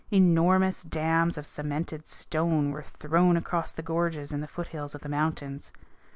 Enormous dams of cemented stone were thrown across the gorges in the foothills of the mountains.